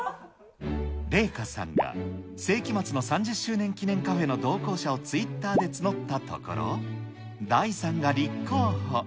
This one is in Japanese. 麗華さんが聖飢魔ＩＩの３０周年記念カフェの同行者をツイッターで募ったところ、大さんが立候補。